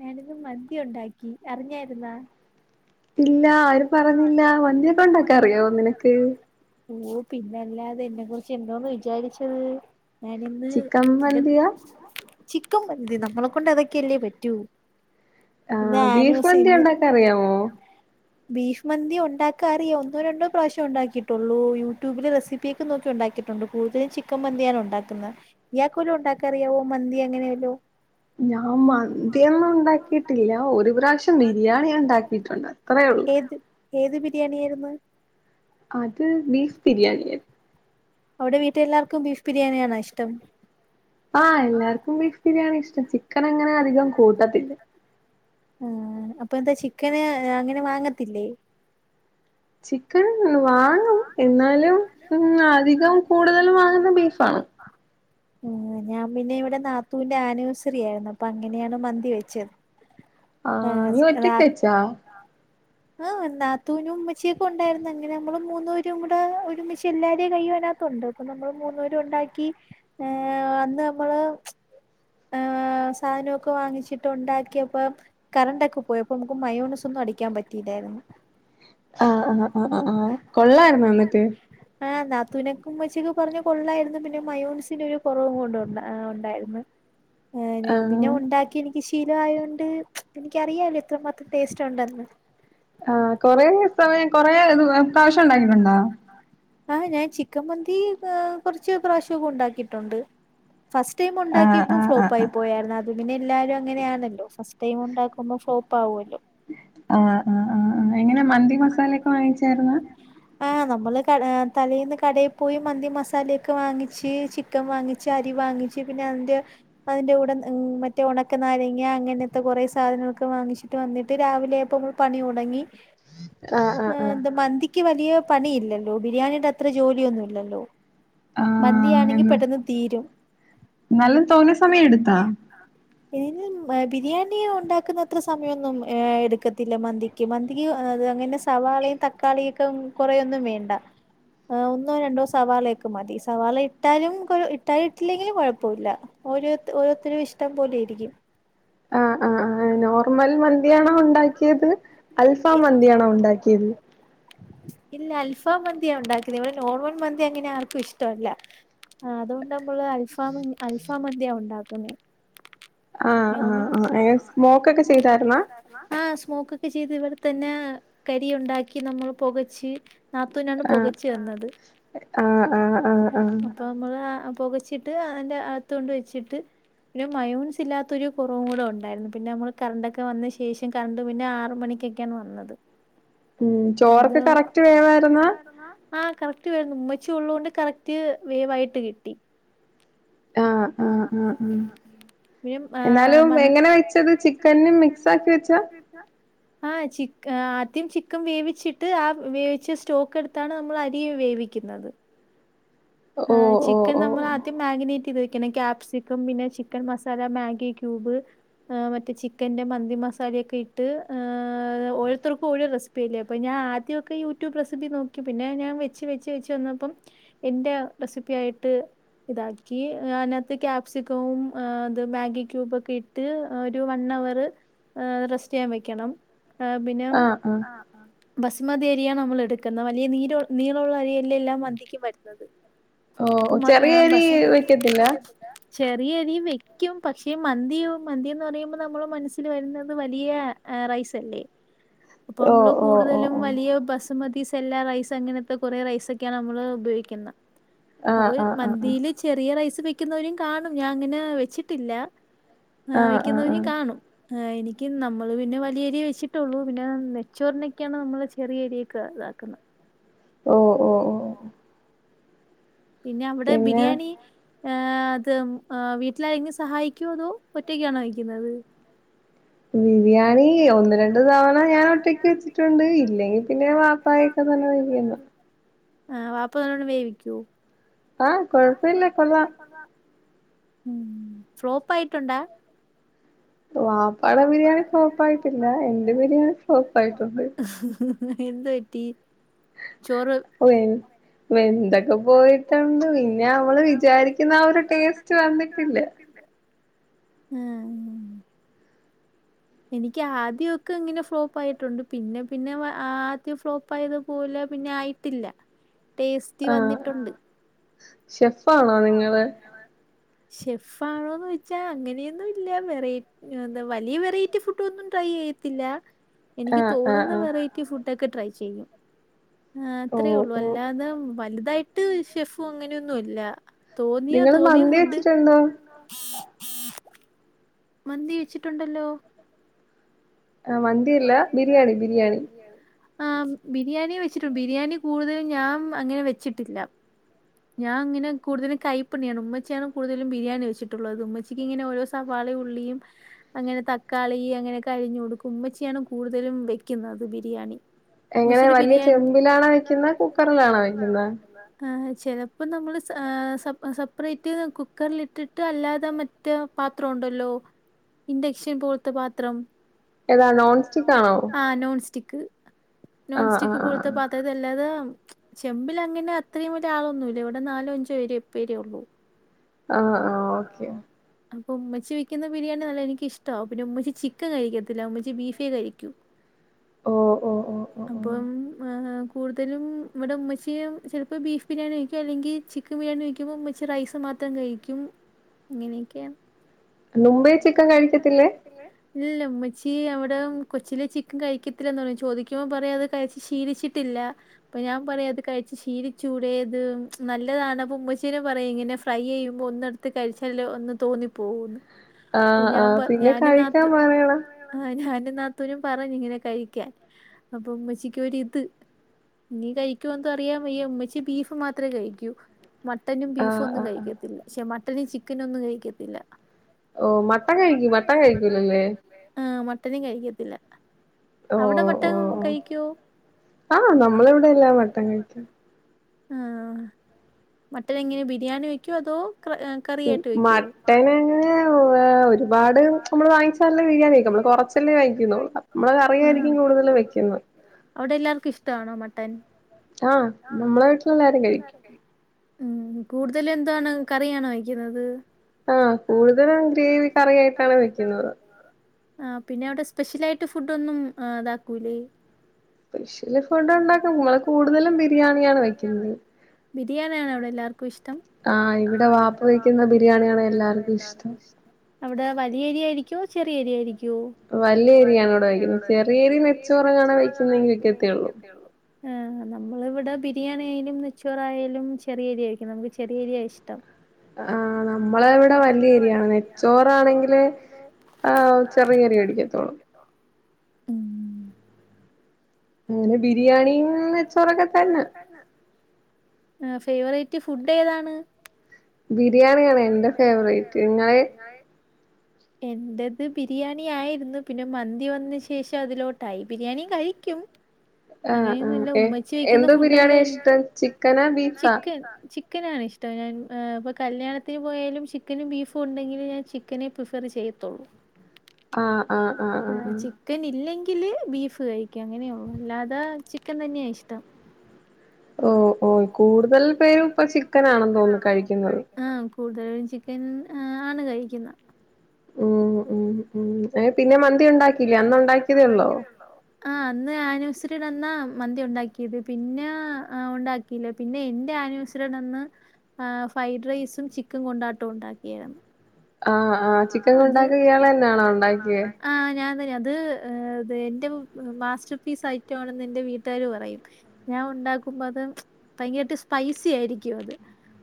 ഞാനിന്ന് മന്തി ഒണ്ടാക്കി അറിഞ്ഞായ്ര്ന്നാ? ഇല്ല ആരും പറഞ്ഞില്ല മന്തിക്കെ ഒണ്ടാക്കാ അറിയോ നിനക്ക്? ഓഹ് പിന്നല്ലാതെ എന്നെ കുറിച്ച് എന്തോന്ന് വിചാരിച്ചത്? ഞാനിന്ന് ചിക്കൻ ഇ മന്തിയാ ചിക്കൻ മന്തി നമ്മളെ കൊണ്ട് അതൊക്കെയല്ലേ പറ്റൂ ഇന്ന് ആനൂസ് ഇന്ന് അറിയവോ? ബീഫ് മന്തി ഉണ്ടാക്കാ അറിയ ഒന്നോ രണ്ടോ പ്രാവശ്യം ഒണ്ടാക്കിട്ടുള്ളൂ യൂട്യൂബില് റെസിപ്പ ക്ക് നോക്കി ഉണ്ടാക്കിട്ടുണ്ട് കൂടുതലും ചിക്കൻ മന്തിയാണ് ഒണ്ടാക്കുന്നെ. ഇയാക്ക് വല്ലോ ഉണ്ടാക്കാ അറിയാവോ? മന്തി എങ്ങനെല്ലോ? ഞാൻ മന്തിയൊന്നും ഉണ്ടാക്കിട്ടില്ല ഒരു പ്രാവശ്യം ബിരിയാണി ഉണ്ടാക്കിട്ടുണ്ട് അത്രേ ഉള്ളൂ. ഏത് ഏത് ബിരിയാണിയിര്ന്ന്? അത് ബീഫ് ബിരിയാണിയ. അവിടെ വീട്ടി എല്ലർക്കും ബീഫ് ബിരിയാണി യാണോ ഇഷ്ടം? ആഹ് എല്ലാർക്കും ബീഫ് ബിരിയാണിയാ ഇഷ്ട്ടാ ചിക്കൻ അങ്ങനെ അധികം കൂട്ടത്തില്ല ആഹ് അപ്പൊ എന്താ ചിക്കന് അങ്ങനെ വാങ്ങത്തില്ലേ ചിക്കൻ വാങ്ങും എന്നാലും മ്മ് അധികം കൂടുതലും വാങ്ങുന്ന ബീഫാണ്. മ്മ് ഞാൻ പിന്നെ ഇവിടെ നാത്തൂന്റെ ആനിവേഴ്സറിയായിരുന്നു അപ്പൊ അങ്ങനെയാണ് മന്തി വെച്ചത്. ആ ആഹ് നീ റാ ഒറ്റക്ക് വെച്ചാ ആഹ് നാത്തൂനും ഇമ്മച്ചിയൊക്കെ ഉണ്ടായിരുന്നെ പിന്നെ നമ്മള് മൂന്നേരും കൂടെ ഒരുമിച്ച് എല്ലാരെ കയ്യും അതിനകത്തുണ്ട് അപ്പൊ നമ്മള് മൂന്നേരുംണ്ടാക്കി. ഏഹ് അന്ന് നമ്മള് ആഹ് സാധനൊക്കെ വാങ്ങിച്ചിട്ട് ഉണ്ടാക്കിയപ്പോ കറണ്ട് ഒക്കെ പോയി അപ്പോ നമുക്ക് മയോണെയ്സ് ഒന്നും അടിക്കാൻ പറ്റിയില്ലായിരുന്നു. ആഹ് ആഹ് ആഹ് ആഹ് കൊള്ളായിര്ന്നാ ന്നിട്ട് ആഹ് നാത്തൂനക്കും ഇമച്ചിക്കെ പറഞ്ഞ് കൊള്ളായിരുന്നു പിന്നെ മയോണെയ്സിന്റെ ഒരു കുറവും കൊണ്ട് ഇണ്ടായിരുന്നു. ഉ ഏഹ് ഞാപിന്നെ ഉണ്ടാക്കി എനിക്ക് ശീലയോണ്ട് എനിക്കറിയല്ലോ എത്ര മാത്രം ടേസ്റ്റ് ഉണ്ടെന്ന് ആഹ് കൊറെ സമയം കൊറെ ഇത് പ്രാവശ്യം ഉണ്ടാക്കിട്ടുണ്ടോ? ആഹ ഞാൻ ചിക്കൻ മന്തി കൊറച്ച് പ്രാവശ്യക്കെ ഉണ്ടാക്കിയിട്ടുണ്ട്. ഫസ്റ്റ് ടൈം ആ ഉണ്ടാക്കിയപ്പോ ആ ആ ഫ്ലോപ്പാ ആ പ്പായി പോയായിരുന്നു അത് പിന്നെ എല്ലാരും അങ്ങനെയാണല്ലോ ഫസ്റ്റ് ടൈം ഉണ്ടാക്കുമ്പോ ഫ്ലോപാവുമല്ലോ. ആഹ ആഹ ആഹ എങ്ങനെ മന്തി മസാലൊക്കെ വാങ്ങിച്ചായിരുന്നോ? ആഹ് നമ്മള് ക തലേന്ന് കടയിപോയി മന്തി മസാലയൊക്കെ വാങ്ങിച്ച് ചിക്കൻ വാങ്ങി ച്ച് അരി വാങ്ങിച്ച് പിന്നെ അതിന്റെ അതിന്റെ കൂട മ്മ് മറ്റേ ഉണക്കനാരങ്ങ അങ്ങനത്തെ കുറെ സാധനങ്ങളൊക്കെ വാങ്ങിച്ച് ന്നിട്ട് രാവിലെയായപ്പോ മ്മള് പണി തൊടങ്ങി ആഹ് ആഹ ആഹ് ആഹ് എന്ത മന്തിക്ക് വലിയ പണി ഇല്ലല്ലോ ബിരിയാണിയുടെ അത്ര ജോലിയൊന്നുമില്ലല്ലോ. ആ മന്തിയാണെങ്കി എന്ന് പെട്ടെന്ന് തീരും നല്ല തോനെ സമയം എടുത്താ തിന് ബിരിയാണി ഉണ്ടാക്കുന്നത്ര സമയൊന്നും എടുക്കത്തില്ല മന്തിക്ക്. മന്തിക്ക് അങ്ങനെ സവാളയും തക്കാളിയൊക്കെ കുറേയൊന്നും വേണ്ട ആഹ് ഒന്നോ രണ്ടോ സവാളയൊക്ക മതി സവാള ഇട്ടാലും കൊ ഇട്ടാലും ഇട്ടില്ലെങ്കിലും കുഴപ്പമില്ല. ഓരോ ഓരോരുത്തരുടെ ഇഷ്ടം പോലിരിക്കും ആഹ ആഹ ആഹ നോർമൽ മന്തിയാണോ ഉണ്ടാക്കിയത് അൽഫാമ് മന്തിയാണോ ഉണ്ടാക്കിയത്. ഇല്ല അൽഫാമന്തിയ ഉണ്ടാകണേ ഇവിടെ നോർമൽ മന്തി അങ്ങനെ ആർക്കും ഇഷ്ടമല്ല. ആഹ അതൊണ്ടമ്മള് അൽഫാമ് അൽഫാ മന്തിയാ ഉണ്ടാക്കുന്നേ ആഹ് ആഹ നോർമൽ ആഹ എങ്ങനെ സ്മോക്ക് ഒക്കെ ചെയ്തായിരുന്ന ആഹ സ്മോക്കൊക്കെ ചെയ്ത് ഇവിടെ തന്നെ കരി ഉണ്ടാക്കി നമ്മൾ പുകച്ച്. നാത്തൂനാണ് ആഹ് പൊകച്ച്തന്നത് ആഹ് ആഹ് ആഹ് ആഹ് അപ്പോ നമ്മള് പുകച്ചിട്ട് അതിന്റെ അകത്തൊണ്ട് വെച്ചിട്ട്, ഒരു മയോൻസ് ഇല്ലാത്തൊരു കുറവും കൂടെ ഉണ്ടായിരുന്നു. പിന്നെ നമ്മൾ കറണ്ടൊക്കെ വന്ന ശേഷം കറണ്ട് പിന്നെ ആറ് മണിക്കൊക്കെയാണ് വന്നത്. മ്മ് ചോറൊക്കെ കറക്റ്റ് വേവായിരുന്നാ ആഹ കറക്റ്റ് വെന്ന് ഉമ്മച്ചി ഉള്ളോണ്ട് കറക്റ്റ് വേവായിട്ട് കിട്ടി. ആഹ ആഹ് ആഹ പിന്നെ എന്നാലും മ എങ്ങനെ വെച്ചത്? ചിക്കന് മിക്സാക്കി വെച്ചാ ആഹ ചിക്ക ആദ്യം ചിക്കൻ വേവിച്ചിട്ട് ആ വേവിച്ച സ്റ്റോക്ക് എടുത്താണ് നമ്മൾ അരി വേവിക്കുന്നത്. ഓ ആഹ ഓ ചിക്കൻ നമ്മ ഓ നമ്മളാദ്യം മാഗിനേറ്റ് ചെയ്ത് വെക്കണം ക്യാപ്സിക്കം പിന്നെ ചിക്കൻ മസാല മാഗി ക്യൂബ്, മറ്റേ ചിക്കന്റെ മന്തി മസാലയൊക്കെ ഇട്ട് ഓരോരുത്തർക്കും ഓരോ റെസി പിന്നേപ്പ ഞാ ആദ്യമൊക്കെ യൂടൂബ് റെസിപി നോക്കി പിന്ന ഞൻ വെച്ച് വെച്ച് വെച്ച് വന്നപ്പം എന്റെ റെസിപ്പി ആയിട്ട് ഇതാക്കി അതിനകത്ത് ക്യാപ്സിക്കവും അത് മാഗി ക്യൂബൊക്കെ ഇ ട്ട് ഒരു വൺ അവറ് റെസ്റ്റ് ചെയ്യാൻ വെക്കണം. ആഹ് പിന്നെം ആഹ് ആഹ് ബസ്മതി അരിയാണ് നമ്മൾ എടുക്കുന്നത് വലിയ നീര ഉ നീളഉള്ള അരിയല്ലെ എല്ലാം മന്തിക്കും വരുന്നത്. ഓഹ് ചെറിയ അരി വെക്കത്തില്ല ചെറിയരിയും വെക്കും പക്ഷേ മന്തിയും മന്തിന്ന് പറയുമ്പോ നമ്മള മനസ്സിൽ വരുന്നത് വലിയ റൈസല്ലേ [unintelligible] ഇപ്പൊ നമ്മള് ഓ ഓ കൂടുതലും ഓ വലിയ ബസ് മതി സെല്ലാ റൈസ് അങ്ങനത്തെ കുറേ റൈസൊക്കെയാണ് നമ്മള് ഉപയോഗിക്കുന്നെ അപ്പ ആഹ് ആഹ് ആഹ് മന്തിയില് ചെറിയ റൈസ് വെക്കുന്നവരും കാണും ഞാൻ അങ്ങനെ വെച്ചിട്ടില്ല. ആഹ് വെക്കുന്നവനീം കാണും ആഹ് എനിക്ക് നമ്മള് പിന്നെ വലിയ അരിയേ വെച്ചിട്ടുള്ളൂ പിന്നെ നെച്ചോറിനൊക്കെയാണ് നമ്മള് ചെറിയരിയൊക്കെ ഇതാക്കുന്നത്. ഓഹ് ഓഹ് ഓഹ് പിന്നെ അവിടെ പിന്നെ ബിരിയാണി ഏഹ് അത് ഏഹ് വീട്ടിലാരങ്കിലും സഹായിക്കോ അതോ ഒറ്റക്കാണോ വെക്കുന്നത് ബിരിയാണി ഒന്ന് രണ്ട് തവണ ഞാൻ ഒറ്റക്ക് വെച്ചിട്ടുണ്ട് ഇല്ലെങ്കി പിന്നെ ഞാ വാ പ്പായൊക്കെ തന്നെ വെക്കുന്ന് ആഹ് വാപ്പ നല്ലോണം വേവിക്കോ ആഹ് കൊഴപ്പല്ല കൊള്ളാം ള്ളാം ഉം ഫ്ലോപ്പായിട്ടുണ്ടാ വാപ്പാടെ ബിരിയാണി ഫ്ലോപ്പ് ആയിട്ടില്ല എന്റെ ബിരിയാണി ഫ്ലോപ്പ് ആയിട്ടുണ്ട് എന്ത് പറ്റി ചോറ് ഓഹ് വിൻ വെന്തൊക്കെ പോയിട്ടുണ്ട് പിന്നെ നമ്മള് വിചാരിക്കുന്ന ആ ഒരു ടേസ്റ്റ് വന്നിട്ടില്ല ആഹ് ആഹ് എനിക്ക് ആദ്യമൊക്കെ ഇങ്ങനെ ഫ്ലോപ്പ് ആയിട്ടുണ്ട് പിന്നെ പിന്നെ ആദ്യം ഫ്ലോപ്പ് ആയതു പോലെ പിന്നെ ആയി ട്ടില്ല ആഹ് ഷെഫ് ഷെഫാണോ നിങ്ങള്? ഷെഫാണോന്ന് ചോദിച്ചാ അങ്ങനെയൊന്നും ഇല്ല വെറൈ എന്താ വലിയ വെറൈറ്റി ഫുഡ് ഒന്നും ട്രൈ ചെയ്യത്തില്ല എനിക്ക് ആഹ് ആഹ് തോന്നുന്ന ആഹ് വെറൈറ്റി ഫുഡ് ഒക്കെ ട്രൈ ചെയ്യും ആഹ് ഓ അത്രേ ഉള്ളൂ ഓ അല്ലാതെ വലുതായിട്ട് ഷെഫും അങ്ങനെയൊന്നും ഇല്ല തോന്നിയ നിങ്ങള് തോന്നിയ മന്തി ഫുഡ് വെച്ചിട്ടുണ്ടോ [inaudible] മന്തി വെച്ചിട്ടുണ്ടല്ലോ ആഹ് മന്തിയല്ല ബിരിയാണി ബിരിയാണി ആഹ് ബിരിയാണിയും വെച്ചിട്ടു ബിരിയാണി കൂടുതലും ഞാൻ അങ്ങനെ വെച്ചിട്ടില്ല ഞാൻ ഇങ്ങനെ കൂടുതലും കൈപ്പണ്ണിയാണ് ഉമ്മച്ചിയാണ് കൂടുതലും ബിരിയാണി വെച്ചിട്ടുള്ളത് ഉമ്മച്ചി ച്ചിക്കിങ്ങന ഓരോ സവാളേം ഉള്ളിയും അങ്ങനെ തക്കാളി അങ്ങനൊക്കെ അരിഞ്ഞു കൊടുക്കും ഉമ്മച്ചിയാണ് കൂടുതലും വെക്കുന്നത് ബിരിയാണി എങ്ങനെ ഉമ്മച്ചിയുടെ വലിയ ബിരിയാണി ചെമ്പിലാണോ വെക്കുന്നെ കുക്കറിലാണോ വെക്കുന്നെ ആഹ് ചിലപ്പം നമ്മൾ ഏഹ് സപ് സപ്പറേറ്റ് കുക്കറിൽ ഇട്ടിട്ട് അല്ലാതെ മ റ്റെ പാത്രം ഉണ്ടല്ലോ ഇൻഡക്ഷൻ പോലത്തെ പാത്രം ഏതാ നോൺ സ്റ്റിക്ക് ആണോ ആഹ് നോൺസ്റ്റിക്ക് നോൺ ആഹ് ആഹ് സ്റ്റിക്ക് പോലത്തെ ആഹ് പാ ത്തത് അല്ലാതെ ചെമ്പിൽ അങ്ങനെ അത്രയും ഒരാളൊന്നൂല്ല ഇവിടെ നാലോ അഞ്ചോരെ പ്പേരേ ഉള്ളു ആഹ് ആഹ് ഓ അപ്പൊ ഉമ്മച്ചി വെക്കുന്ന ബിരിയാണി നല്ലതാ എനിക്ക്ഷ്ടവാ പിന്നെ ഉമ്മച്ചി ചിക്കൻ കഴിക്കത്തില്ല ഉമ്മച്ചി ബീഫേ കഴിക്കൂ ഓഹ് ഓഹ് ഓഹ് ഓഹ് അപ്പം ഏഹ് കൂടുതലും ഇവിടെ ഉമ്മച്ചിയും ചിലപ്പോ ബീഫ് ബിരിയാണി വെക്കും അല്ലെങ്കിൽ ചിക് ബിരിയാണി വെക്കുമ്പോ ഉമച്ചി റൈസ് മാത്രം കഴിക്കും അങ്ങനെയൊക്കെയ. മുമ്പേ ചിക്കൻ കഴിക്കത്തില്ലേ. ഇല്ല ഉമ്മച്ചി അവിടെ കൊച്ചിലെ ചിക്കൻ കഴിക്കത്തില്ലന്ന് പറഞ്ഞ് ചോദിക്കുമ്പോൾ പറയും അത് കഴിച്ച് ഷീലിച്ചിട്ടില്ല. അപ്പൊ ഞാൻ പറയും അത് കഴിച്ച് ശീലിച്ചൂടേന്ന് നല്ലതാണ് അപ്പ ഉമ്മച്ചീന പറയും ഇങ്ങനെ ഫ്രൈ ചെയ്യും. മ്പൊ ഒന്നെടുത്ത് കഴിച്ചാല് ഒന്ന് തോന്നിപ്പോകുന്ന്. ആഹ് ആഹ് പിന്നെ കഴിക്കാൻ പറയണം. ആഹ് ഞാനും നാത്തൂനും പറഞ്ഞ് ഇങ്ങനെ കഴിക്കാൻ അപ്പൊ ഉമ്മച്ചിക്കൊരിത്. മീൻ കഴിക്കോന്തോ അറിയാൻ വയ്യ ഉമ്മച്ചി ബീഫ് മാത്രമേ കഴിക്കൂ. മ മട്ടനും ബീഫും ആഹ് ഒന്നും ആഹ് കഴിക്കത്തില്ല പക്ഷെ മട്ടനും ചിക്കനും ഒന്നും കഴിക്കത്തില്ല. ഓഹ് മട്ടൻ കഴിക്കും മട്ട കഴിക്കൂലല്ലേ. ആഹ് മട്ടനും കഴിക്കത്തില്ല. അവിടെ ഓഹ് മട്ടൻ ഓഹ് കഴിക്കുവോ ആഹ് നമ്മളെ ഇവിടെല്ലാം മട്ടൻ കഴിക്കും. ആഹ്‌ മട്ടൻ എങ്ങനെ ബിരിയാണി വെക്കോ അതോ. കറിയായിട്ട് വെക്കോ. ട്ടനങ്ങെ വാ ഒരു. പാട് നമ്മള് വാങ്ങിച്ചാലല്ലേ ബിരിയാണി വെക്കൂ നമ്മള് കുറച്ചല്ലേ കഴിക്കുന്നുള്ളൂ നമ്മള് ഉം കറിയായിരിക്കും കൂടുതല് വെക്കുന്നത്. അവിടെ എല്ലാവർക്കും ഇഷ്ട്ടാണോ മട്ടൻ. ആഹ് നമ്മളെ വീട്ടിൽ എല്ലാരും കഴിക്കും. ഉം കൂടുതൽ എന്താണ് കറിയാണോ വെക്കുന്നത്. ആഹ് കൂടുതലും ഗ്രേവി കറിയായിട്ടാണ് വെക്കുന്നത്. ആഹ് പിന്നെ അവിടെ സ്പെഷ്യൽ ആയിട്ട് ഫുഡ് ഒന്നും ഇതാക്കൂല്ലേ. സ്പെഷ്യല് ഫുഡ് ഉണ്ടാക്കും നമ്മൾ കൂടുതലും ബിരിയാണിയാണ് വെക്കുന്നത്. ബിരിയാണിയാണോ അവിടെ എല്ലാവർക്കും ഇഷ്ടം. ആഹ് ഇവിടെ വാപ്പ വയ്ക്കുന്ന ബിരിയാണിയാണ് എല്ലാർക്കും ഇഷ്ടം. അവിടെ വലിയ അരിയായിയിരിക്കോ ചെറിയ അരിയായിരിക്കോ. വലിയ അരിയാണ് ഇവിടെ വയ്ക്കുന്നത് ചെറിയരി നെച്ചോറങ്ങാണ വെക്കുന്നെങ്കിൽ വക്കത്തേ ഉള്ളൂ. ആഹ്. ആഹ് നമ്മളിവിടെ ബിരിയാണി ആയാലും നെച്ചോറായാലും ചെറിയരി ആയിരിക്കും നമക്ക് ചെറിയ അരിയാ ഇഷ്ടം. ആഹ് നമ്മളെ ഇവിടെ വലിയ അരിയാണ് നെച്ചോറാണെങ്കിലെ. ആഹ് ചെറിയരി വേടിക്കത്തോളൂ. ഉം അങ്ങനെ ബിരിയാണി നെയ്ച്ചോറൊക്കെ തന്നെ. ആഹ് ഫേവറേറ്റ് ഫുഡ് ഏതാണ്. ബിരിയാണിയാണ് എന്റെ ഫേവറേറ്റ് നിങ്ങളെ. എന്റത് ബിരിയാണി ആയിരുന്നു പിന്നെ മന്തി വന്ന ശേഷം അതിലോട്ടായി ബിരിയാണിയും കഴിക്കും. ആഹ് ആഹ് അങ്ങനെയൊന്നുല്ല ഏ ഉമ്മച്ചി വെക്കുന്ന എന്ത് ഫുഡല്ല ബിരിയാണിയാ എനി ഇഷ്ടം ചിക്കനാ ബീഫാ ചിക്കൻ ചിക്. ചിക്കനാണ് ഇഷ്ടം ഞാൻ ഇപ്പോ കല്യാണത്തിന് പോയാലും ചിക്കനും ബീഫും ഉണ്ടെങ്കിലും ഞാൻ ചിക്കനെ പ്രിഫർ ചെയ്യത്തുള്ളൂ. ആഹ് ആഹ് ആഹ് ആഹ് ചിക്കൻ ഇല്ലെങ്കില് ബീഫ് കഴിക്കും അങ്ങനെയള്ളൂ അല്ലാതെ ചിക്കൻ തന്നെയാ ഇഷ്ടം. ഓഹ് ഓഹ് കൂടുതൽ പേരും ഇപ്പൊ ചിക്കൻ ആണെന്ന് തോന്നുന്നു കഴിക്കുന്നത്. ആഹ് കൂടുതലും ചിക്കൻ ആണ് കഴിക്കുന്ന. ഉം ഉം ഉം പിന്നെ മന്തി ഉണ്ടാക്കില്ലേ അന്ന് ഉണ്ടാക്കിയതേ ഉള്ളോ. ആഹ് അന്ന് ആനിവേഴ്സറിയുടെന്നാ മന്തി ഉണ്ടാക്കിയത് പിന്നെ ആഹ് ഉണ്ടാക്കി. ഇല്ല പിന്നെ എന്റെ അന്നുവേഴ്‌സ്‌റി ടന്ന് ഫ്രൈഡ് റൈസും ചിക്കൻ കൊണ്ടാട്ടം ഉണ്ടാക്കിയരുന്നു. ആഹ് ആഹ് ചിക്കൻ കൊണ്ടാട്ടം ഇയാളെന്നെ യാണോ ഉണ്ടാക്കിയെ. ആഹ് ഞാൻ തന്നെ അത് എന്റെ മാസ്റ്റർ പീസ് ഐറ്റമാണെന്ന് എന്റെ വീട്ടുകാര് പറയും. ഞാൻ ഉണ്ടാക്കുമ്പോ അത് ഭയങ്കരാട്ട് സ്പൈസി ആയിരിക്കും അത്.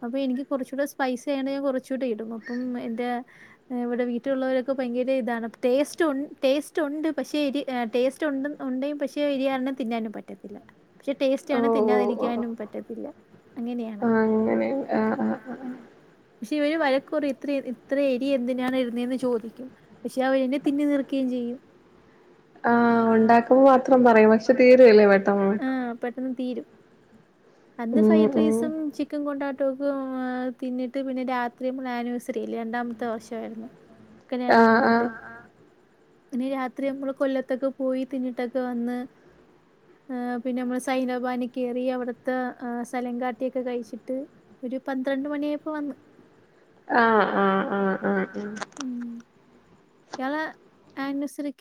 അപ്പൊ എനിക്ക് കുറച്ചുകൂടെ സ്പൈസി ആയോണ്ട് ഞാൻ കുറച്ചൂടെ ഇടും അപ്പം എന്റെ. ഇവിടെ വീട്ടിലുള്ളവരൊക്കെ ഭയങ്കര ഇതാണ് ടേസ്റ്റ് ടേസ്റ്റ് ഉണ്ട് പക്ഷെ എരി. ഉണ്ട് പക്ഷെ എരി കാരണം തിന്നാനും പറ്റത്തില്ല. പക്ഷെ ടേസ്റ്റ് ഓ ആണ് ഓ ഓ തിന്നാതിരിക്കാനും പറ്റത്തില്ല അങ്ങനെയാണ്. ങ്ങനെണ് ആഹ് ആഹ് ആഹ് പക്ഷെ ഇവര് വഴക്ക്പറയ് എത്ര ഇ ഇത്ര എരി എന്തിനാണ് ഇട്ന്നെന്ന് ചോദിക്കും പക്ഷെ അവരന്നെ തിന്ന് തീർക്കേം ചെയ്യും ആഹ് ഒണ്ടാക്കുമ്പോ മാത്രം പറയും പക്ഷെ തീരുവല്ലേ പെട്ടന്ന് പെട്ടന്ന് തീരും അന്ന് ഉം ഉം ഫൈഡ്രൈസും ചിക് ക്കം കൊണ്ടാട്ടോക്ക തിന്നിട്ട് പിന്നെ രാത്രി പിന്ന ആനിവേഴ്സറിയ രണ്ടാമത്തെ വർഷായിരുന്നു കല്ല്യാണം കഴിഞ്ഞിട്ട് ആഹ് ആഹ് പിന്ന രാത്രി മ്മള് കൊല്ലത്തൊക്കെ പോയി തിന്നിട്ടൊക്കെ വന്ന് ഏഹ് പിന്നെ ഞമ്മളെ സൈനാബാനി കേറി അവിടുത്തെ ആ സ്ഥലംങ്കാട്ടിയൊക്കെ കഴിച്ചിട്ട് ഒരു പന്ത്രണ്ട് മണിയായപ്പോ വന്ന് ആഹ് ആഹ് ആഹ് ആഹ് ആഹ് ഇയാള ആനിവേഴ്സറിക്ക്